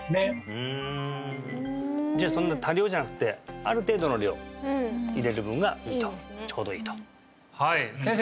ふんじゃあそんな多量じゃなくってある程度の量入れる分がいいとちょうどいいとはい先生